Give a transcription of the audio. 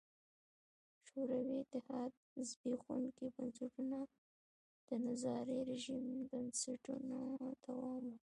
شوروي اتحاد زبېښونکي بنسټونه د تزاري رژیم بنسټونو دوام و.